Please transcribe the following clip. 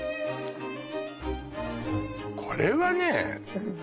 これはね